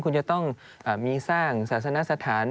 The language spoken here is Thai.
คุณจะต้องมีสร้างศาสนสถาน